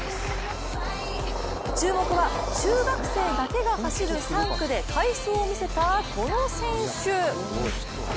注目は中学生だけが走る３区で快走を見せたこの選手。